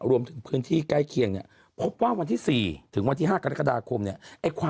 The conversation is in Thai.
ส่วนประชาชนอย่าตื่นตระหนก